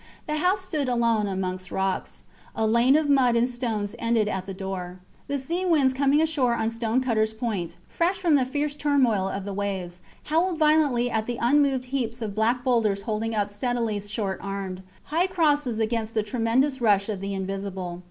The house stood alone amongst rocks. A lane of mud and stones ended at the door. The sea winds coming ashore on Stonecutters point, fresh from the fierce turmoil of the waves, howled violently at the unmoved heaps of black boulders holding up steadily short armed, high crosses against the tremendous rush of the invisible.